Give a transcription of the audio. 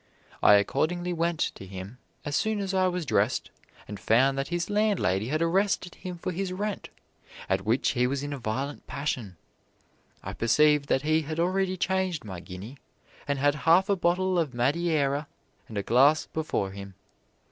I accordingly went to him as soon as I was dressed, and found that his landlady had arrested him for his rent, at which he was in a violent passion. I perceived that he had already changed my guinea, and had half a bottle of Madeira and a glass before him.